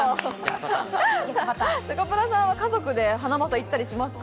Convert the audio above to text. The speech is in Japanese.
チョコプラさん、家族でハナマサ行ったりしますか？